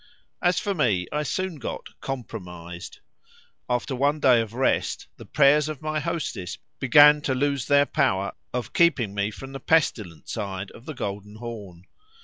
As for me, I soon got "compromised." After one day of rest, the prayers of my hostess began to lose their power of keeping me from the pestilent side of the Golden Horn.